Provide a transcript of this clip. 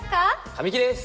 神木です！